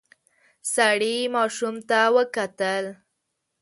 سړی ماشوم ته وکتل.